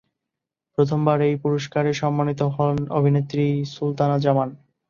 প্রথমবার এই পুরস্কারে সম্মানিত হন অভিনেত্রী সুলতানা জামান।